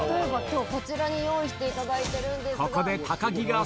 今日こちらに用意していただいてるんですが。